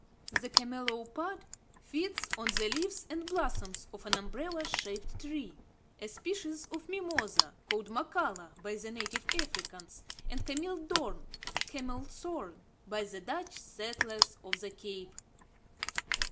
The camelopard feeds on the leaves and blossoms of an umbrella shaped tree, a species of mimosa, called mokhala by the native Africans, and cameel doorn (Camelthorn) by the Dutch settlers of the Cape.